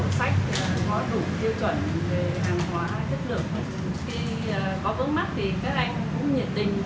khi có vấn mắc thì các anh cũng nhiệt tình tư vấn rồi giải thích cái này